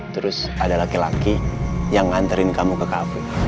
terus ada laki laki yang nganterin kamu ke kafe